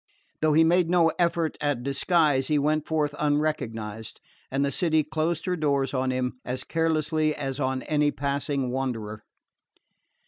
Though he made no effort at disguise he went forth unrecognised, and the city closed her doors on him as carelessly as on any passing wanderer.